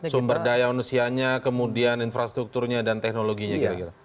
sumber daya manusianya kemudian infrastrukturnya dan teknologinya kira kira